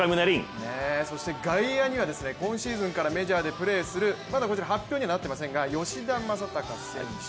そして、外野には今シーズンからメジャーでプレーするまだこちら発表にはなっていませんが、吉田正尚選手